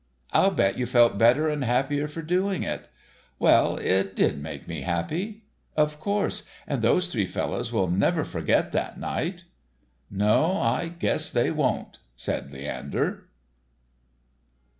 "I'll bet you felt better and happier for doing it." "Well, it did make me happy." "Of course, and those three fellows will never forget that night." "No, I guess they won't," said Leander.